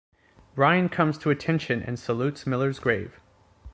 Ryan comes to attention and salutes Miller's grave.